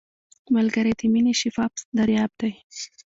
ملګری د مینې شفاف دریاب دی